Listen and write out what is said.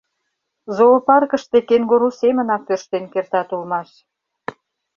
— Зоопаркыште кенгуру семынак тӧрштен кертат улмаш.